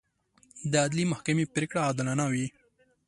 د عدلي محکمې پرېکړې عادلانه وي.